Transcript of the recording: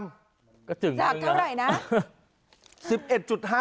จากเท่าไหร่นะ